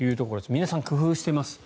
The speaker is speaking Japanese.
皆さん、工夫してます。